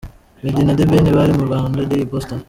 Meddy na The Ben bari muri Rwanda Day i Boston.